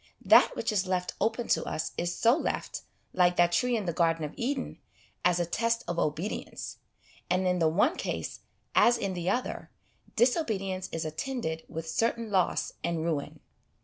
That which is left open to us is so left, like that tree in the Garden of Eden, as a test of obedience ; and in the one case, as in the other, disobedience is attended with certain loss and ruin.